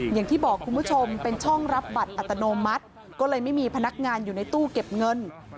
อย่างที่บอกคุณผู้ชมเป็นช่องรับบัตรอัตโนมัติก็เลยไม่มีพนักงานอยู่ในตู้เก็บเงิน